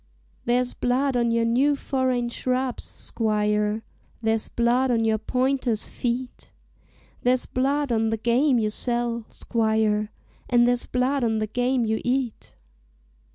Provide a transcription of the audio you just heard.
"There's blood on your new foreign shrubs, squire, There's blood on your pointer's feet; There's blood on the game you sell, squire, And there's blood on the game you eat.